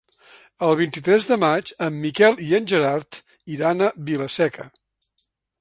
El vint-i-tres de maig en Miquel i en Gerard iran a Vila-seca.